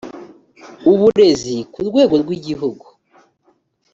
uburezi ku rwego rw igihugu